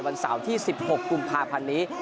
วันเสาร์ที่๑๖กุมภาพันธ์นี้